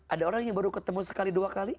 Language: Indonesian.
ada orang yang baru ketemu sekali dua kali